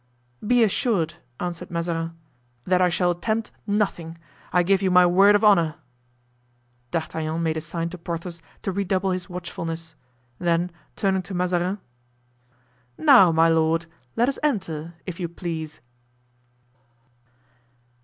"Be assured," answered Mazarin, "that I shall attempt nothing; I give you my word of honor." D'Artagnan made a sign to Porthos to redouble his watchfulness; then turning to Mazarin: "Now, my lord, let us enter, if you please."